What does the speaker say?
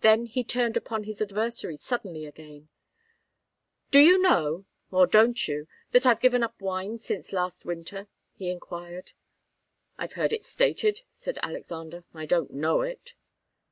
Then he turned upon his adversary suddenly again. "Do you know or don't you that I've given up wine since last winter?" he enquired. "I've heard it stated," answered Alexander. "I don't know it."